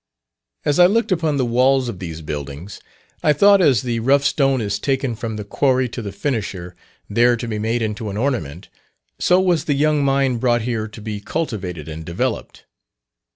As I looked upon the walls of these buildings, I thought as the rough stone is taken from the quarry to the finisher, there to be made into an ornament, so was the young mind brought here to be cultivated and developed.